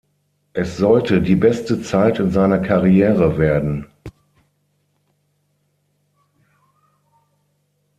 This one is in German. Es sollte die beste Zeit in seiner Karriere werden.